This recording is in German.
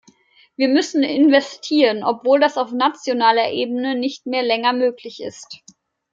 Wir müssen investieren, obwohl dass auf nationaler Ebene nicht mehr länger möglich ist.